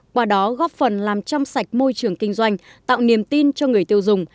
qua đó góp phần làm chăm sạch môi trường kinh doanh tạo niềm tin cho người tiêu dùng